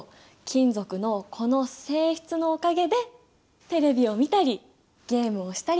金属のこの性質のおかげでテレビを見たりゲームをしたりできるってわけ！